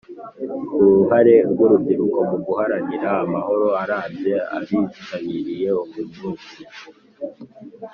Ku ruhare rw urubyiruko mu guharanira amahoro arambye abitabiriye uyu munsi